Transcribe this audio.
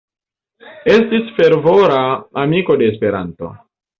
Estis fervora amiko de Esperanto.